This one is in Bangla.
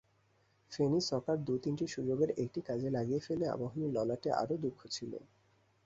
ফেনী সকার দু-তিনটি সুযোগের একটি কাজে লাগিয়ে ফেললে আবাহনীর ললাটে আরও দুঃখ ছিল।